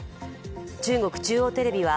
中国中央テレビは